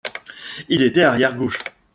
Il était arrière gauche.